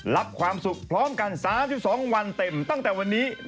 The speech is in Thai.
รับความสุขพร้อมกัน๓๒วันเต็มตั้งแต่วันนี้